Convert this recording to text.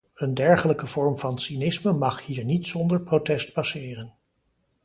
Een dergelijke vorm van cynisme mag hier niet zonder protest passeren.